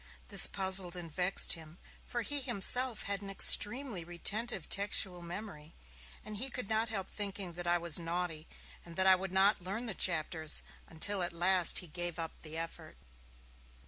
This puzzled and vexed him, for he himself had an extremely retentive textual memory. He could not help thinking that I was naughty, and would not learn the chapters, until at last he gave up the effort.